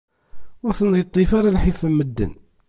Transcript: Ur ten-iṭṭif ara lḥif am medden.